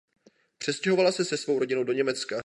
Přestěhovala se se svou rodinou do Německa.